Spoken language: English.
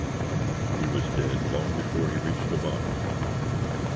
He was dead long before he reached the bottom."